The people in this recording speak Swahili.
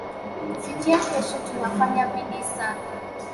kufikia kesho tunafanya bidii sana